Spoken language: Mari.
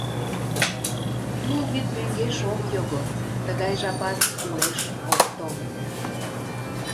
Юл вӱд мӧҥгеш ок його, тыгай жапат уэш ок тол!..